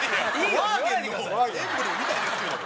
ワーゲンのエンブレムみたいですけど。